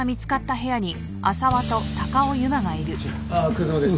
あっお疲れさまです。